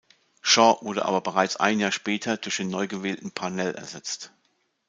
Shaw wurde aber bereits ein Jahr später durch den neugewählten Parnell ersetzt.